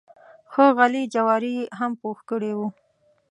ښه غلي جواري یې هم پوخ کړی و.